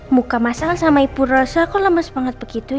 muka masal sama ibu rosa kok lemes banget begitu